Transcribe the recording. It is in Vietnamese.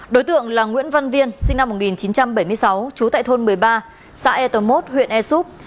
đối tượng là nguyễn văn viên sinh năm một nghìn chín trăm bảy mươi sáu trú tại thôn một mươi ba xã e tông mốt huyện e soup